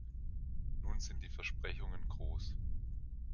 Nun sind die Versprechungen groß.